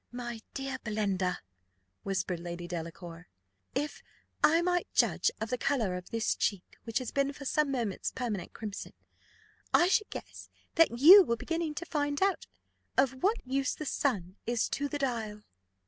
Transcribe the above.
"My dear Belinda," whispered Lady Delacour, "if I might judge of the colour of this cheek, which has been for some moments permanent crimson, I should guess that you were beginning to find out of what use the sun is to the dial."